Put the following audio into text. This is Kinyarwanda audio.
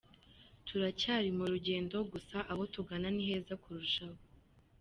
Turacyari mu rugendo gusa aho tugana ni heza kurushaho.